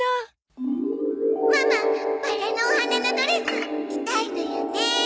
ママバラのお花のドレス着たいのよね？